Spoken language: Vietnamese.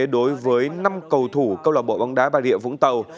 đối với năm cầu thủ câu lọc bộ bóng đá bà rịa vũng tàu